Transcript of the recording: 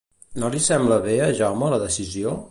No li sembla bé a Jaume la decisió?